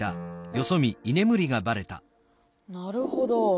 なるほど。